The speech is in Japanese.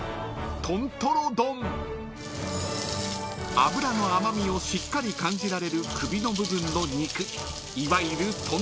［脂の甘味をしっかり感じられる首の部分の肉いわゆる］